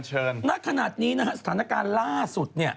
ณขณะนี้นะฮะสถานการณ์ล่าสุดเนี่ย